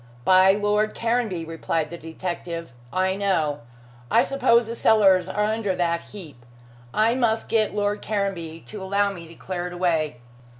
"By Lord Caranby," replied the detective. "I know. I suppose the cellars are under that heap. I must get Lord Caranby to allow me to clear it away."